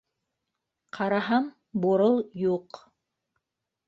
Ҡараһам, Бурыл юҡ...